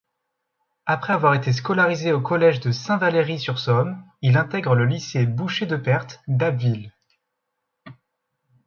Après avoir été scolarisé au collège de Saint-Valery-sur-Somme, il intègre le lycée Boucher-de-Perthes d'Abbeville.